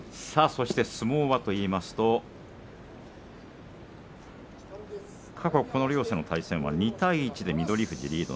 そして、相撲はといいますと過去の両者の対戦は２対１で翠富士がリード。